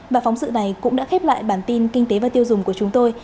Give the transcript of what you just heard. và phóng sự này cũng đã khép lại bản tin kinh tế và tiêu dùng của chúng tôi